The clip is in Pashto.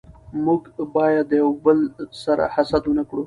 موږ بايد يو دبل سره حسد و نه کړو